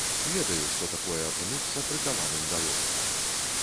Ведаю што такое апынуцца прыкаваным да ложка.